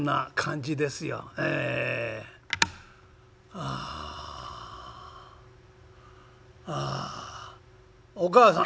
「ああおかあさん」。